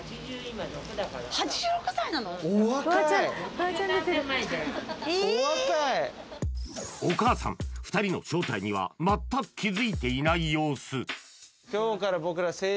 ここでお母さん２人の正体には全く気づいていない様子